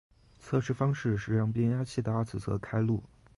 测试方式是让变压器的二次侧开路。